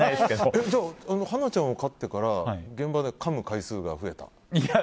ハナちゃんを飼ってから現場でかむ回数が増えた？